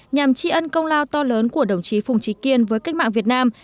nhằm tri ân công lao to lớn của đồng chí phùng trí kiên với cách mạng việt nam